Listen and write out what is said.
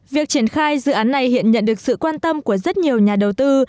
việc triển khai dự án này hiện nhận được sự quan tâm của rất nhiều nhà đầu tư